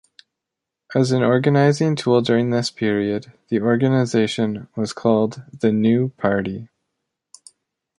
As an organizing tool during this period, the organization was called the New Party.